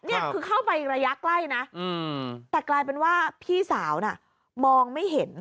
นี่คือเข้าไประยะใกล้นะแต่กลายเป็นว่าพี่สาวน่ะมองไม่เห็น